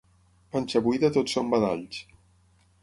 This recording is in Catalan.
Panxa buida, tot són badalls.